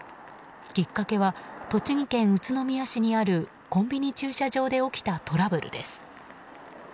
きっかけは栃木県宇都宮市にあるコンビニ駐車場で起きたトラブルです。